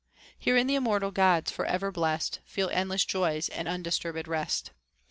Herein the immortal Gods for ever blest Feel endless joys and undisturbed rest.